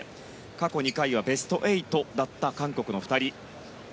過去２回はベスト８だった韓国の２人。